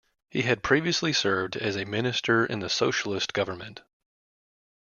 He had previously served as a minister in the Socialist government.